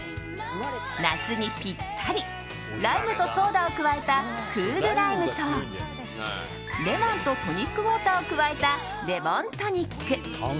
夏にぴったりライムとソーダを加えたクールライムとレモンとトニックウォーターを加えたレモントニック。